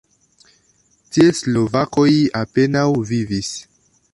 Tie slovakoj apenaŭ vivis.